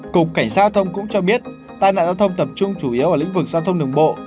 cục cảnh sát giao thông cũng cho biết tai nạn giao thông tập trung chủ yếu ở lĩnh vực giao thông đường bộ